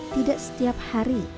tidak setiap hari